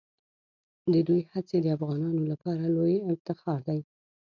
د دوی هڅې د افغانانو لپاره لویه افتخار دي.